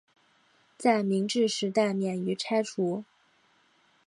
在明治时代免于拆除。